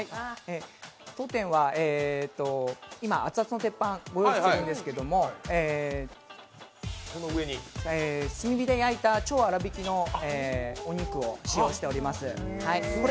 当店は、今、熱々の鉄板をご用意しているんですけれども、炭火で焼いた超粗びきのお肉を使用しています